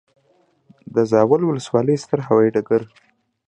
د زاول وسلوالی ستر هوایي ډګر